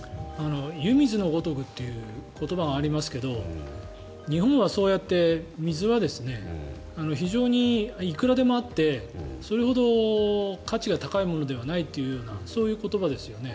湯水のごとくという言葉がありますけど日本はそうやって水は非常にいくらでもあってそれほど価値が高いものではないというそういう言葉ですよね。